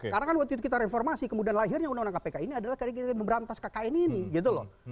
karena kan waktu itu kita reformasi kemudian lahirnya undang undang kpk ini adalah karena kita ingin memberantas kkn ini gitu loh